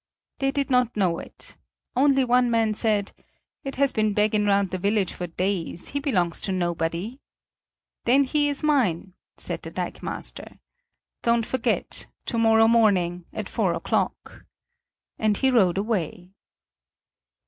They did not know it. Only one man said: "He has been begging round the village for days; he belongs to nobody." "Then he is mine!" said the dikemaster. "Don't forget: to morrow morning at four o'clock!" And he rode away.